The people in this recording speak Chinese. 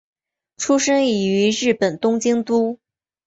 出身于日本东京都。